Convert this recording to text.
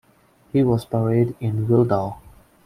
He was buried in Wildau.